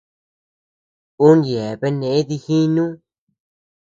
Un yeabean neʼe dijinu.